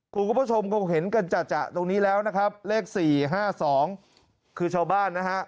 คุณผู้ชมคงเห็นกันจัดตรงนี้แล้วนะครับเลข๔๕๒คือชาวบ้านนะฮะ